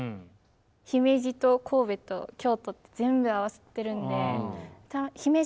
姫路と神戸と京都と全部合わさってるんで。